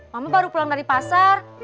mama baru pulang dari pasar